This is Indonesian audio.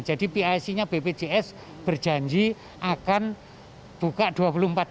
jadi pic nya bbjs berjanji akan buka dua puluh empat jam juga untuk dikonsultir